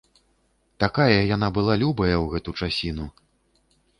Такая яна была любая ў гэту часіну.